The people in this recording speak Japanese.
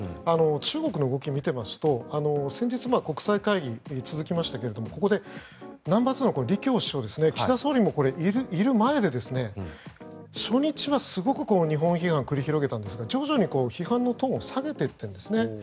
中国の動きを見ていますと先日、国際会議が続きましたがここでナンバーツーの李強首相岸田総理もいる前で初日はすごく日本批判を繰り広げたんですが徐々に批判のトーンを下げていってるんですね